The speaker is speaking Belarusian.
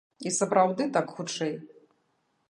І сапраўды, так хутчэй!